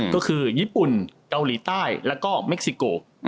ก็คือญี่ปุ่นเกาหลีใต้แล้วก็เม็กซิโก